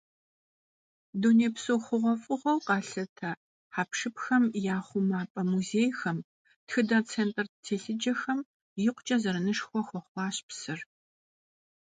Дунейпсо хъугъуэфӀыгъуэу къалъытэ хьэпшыпхэм я хъумапӀэ музейхэм, тхыдэ центр телъыджэхэм икъукӀэ зэранышхуэ хуэхъуащ псыр.